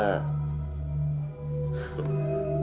kenapa aku tidak kerasukan seperti gilang